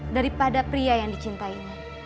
daripada pria yang dicintainya